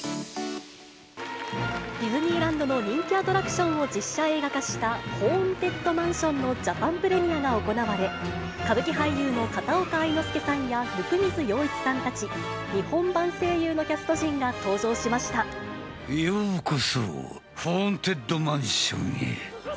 ディズニーランドの人気アトラクションを実写映画化したホーンテッドマンションのジャパンプレミアが行われ、歌舞伎俳優の片岡愛之助さんや温水洋一さんたち、日本版声優のキようこそ、ホーンテッドマンションへ。